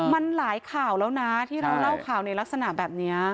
มันหลายข่าวแล้วนะที่เราเล่าข่าวในลักษณะแบบนี้